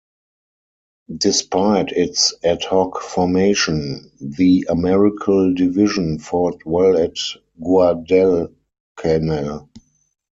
Despite its ad-hoc formation, the Americal Division fought well at Guadalcanal.